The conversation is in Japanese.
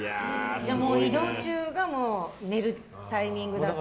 移動中が寝るタイミングだっていう？